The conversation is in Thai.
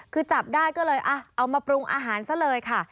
คือจับได้ก็เลยเอามาปรุงอาหารซะเลยค่ะ